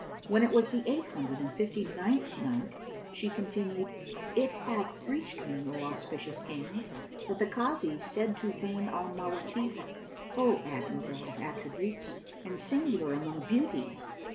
When it was the Eight Hundred and Fifty ninth Night, She continued, It hath reached me, O auspicious King, that the Kazis said to Zayn al Mawasif, "O admirable of attributes and singular among beauties!